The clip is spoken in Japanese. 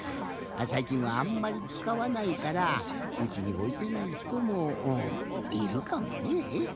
さいきんはあんまりつかわないからうちにおいてないひともいるかもねえ。